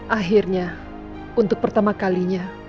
akhirnya untuk pertama kalinya